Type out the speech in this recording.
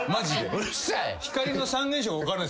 うるさい！